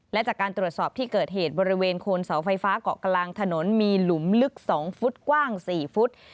และจากการตรวจสอบที่เกิดเหตุบริเวณโคนเสาไฟฟ้าเกาะกลางถนนมีหลุมลึก๒ฟุตกว้าง๔ฟุต